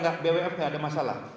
tidak bwf tidak ada masalah